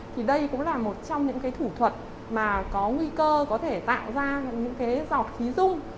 thì đây cũng là một trong những thủ thuật mà có nguy cơ có thể tạo ra những giọt khí rung